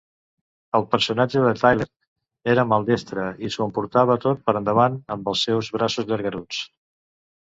El personatge de Tyler era maldestre i s'ho emportava tot per davant amb els seus "braços llargaruts".